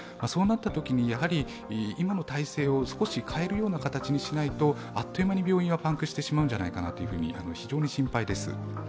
そうなったときに、やはり今の体制を少し変える形にしないとあっという間に病院はパンクしてしまうのではないかと非常に心配です。